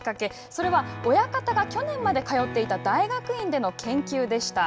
それは親方が去年まで通っていた大学院での研究でした。